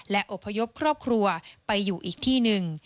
และอบพยพครอบครัวไปอยู่อีกที่หนึ่ง